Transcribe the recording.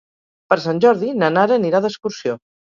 Per Sant Jordi na Nara anirà d'excursió.